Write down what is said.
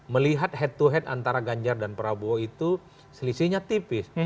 melihat head to head antara ganjar dan prabowo itu selisihnya tipis